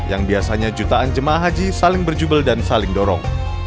yang biasanya jutaan jemaah haji saling berjubel dan saling dorong